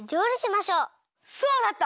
そうだった！